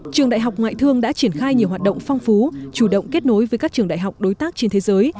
trường đại học ngoại thương đã triển khai nhiều hoạt động phong phú chủ động kết nối với các trường đại học đối tác trên thế giới